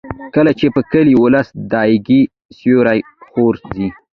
کله چې په کلي ولس د ایږې سیوری غورځي.